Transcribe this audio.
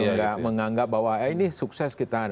tidak menganggap bahwa ini sukses kita